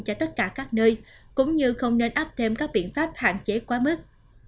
cho tất cả các nơi cũng như không nên áp thêm các biện pháp hạn chế quá mức